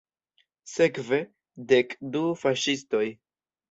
Sekve, dek du faŝistoj.